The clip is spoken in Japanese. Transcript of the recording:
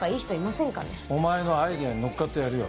お前のアイデアに乗っかってやるよ。